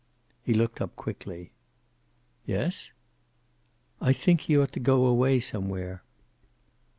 He looked up quickly. "Yes?" "I think he ought to go away somewhere."